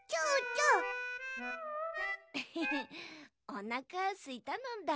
おなかすいたのだ。